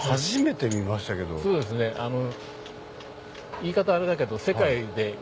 言い方あれだけど。